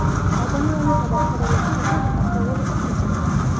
ადამიანისა და ცხოველებისათვის საშუალოდ ტოქსიკურია.